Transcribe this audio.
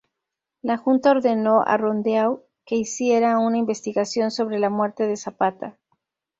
La Junta ordenó a Rondeau que hiciera una investigación sobre la muerte de Zapata.